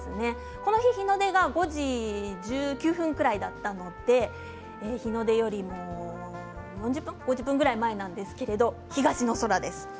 この日、日の出が５時１９分ぐらいだったので日の出よりも４０分５０分くらい前なんですけれども東の空です。